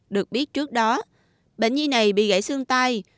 được biết trước đó bệnh nhi này bị gãy xương tay